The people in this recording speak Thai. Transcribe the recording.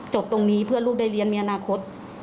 จบตรงนี้เพื่อลูกได้เรียนมีอนาคต